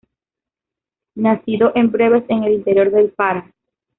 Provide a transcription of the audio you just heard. Nacido en Breves, en el interior del Pará.